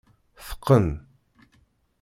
Teqqen.